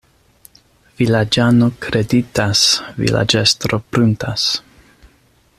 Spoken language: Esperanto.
Vilaĝano kreditas, vilaĝestro pruntas.